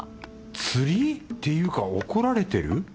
釣り？っていうか怒られてる？